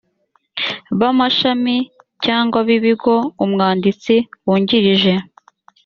b amashami cyangwa b ibigo umwanditsi wungirije